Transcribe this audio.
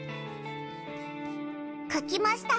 書きました。